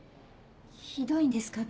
ひどいんですか？